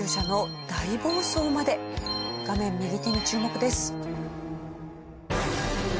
画面右手に注目です。